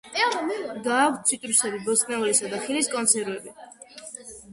გააქვთ ციტრუსები, ბოსტნეულისა და ხილის კონსერვები.